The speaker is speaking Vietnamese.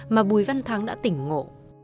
mà bùi văn thắng đã tỉnh ngộ